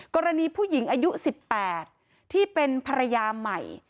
กรณีผู้หญิงอายุ๑๘ที่เป็นภรรยาใหม่